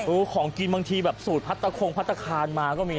อุ้ยของกับสูตรพัทตาคงพัทตาคานมาก็มี